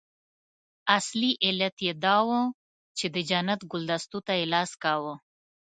اصلي علت یې دا وو چې د جنت ګلدستو ته یې لاس کاوه.